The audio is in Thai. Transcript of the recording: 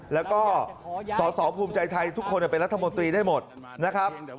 แล้วก็สอสอภูมิใจไทยทุกคนเป็นรัฐมนตรีได้หมดนะครับ